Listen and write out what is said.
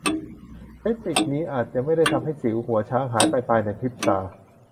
เทคนิคนี้อาจจะไม่ได้ทำให้สิวหัวช้างหายไปภายในพริบตา